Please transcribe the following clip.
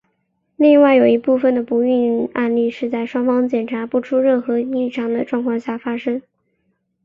另外有一部分的不孕案例是在双方检查不出任何异常的状况下发生。